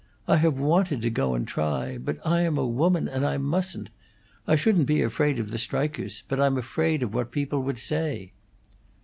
I have wanted to go and try; but I am a woman, and I mustn't! I shouldn't be afraid of the strikers, but I'm afraid of what people would say!"